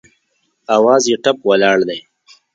اواز یې ټپ ولاړ دی